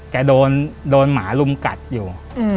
แกโดนหมาลุมกัดอยู่